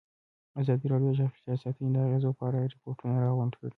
ازادي راډیو د چاپیریال ساتنه د اغېزو په اړه ریپوټونه راغونډ کړي.